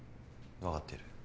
分かっている。